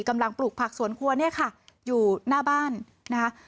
ปลูกผักสวนครัวเนี่ยค่ะอยู่หน้าบ้านนะคะ